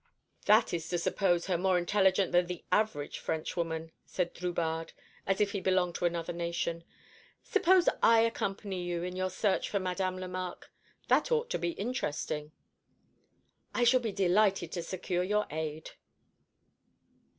"That is to suppose her more intelligent than the average Frenchwoman," said Drubarde, as if he belonged to another nation. "Suppose I accompany you in your search for Madame Lemarque? That ought to be interesting." "I shall be delighted to secure your aid."